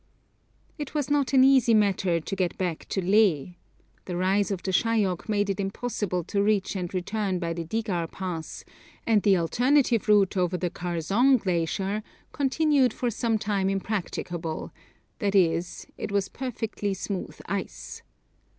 It was not an easy matter to get back to Leh. The rise of the Shayok made it impossible to reach and return by the Digar Pass, and the alternative route over the Kharzong glacier continued for some time impracticable that is, it was perfectly smooth ice.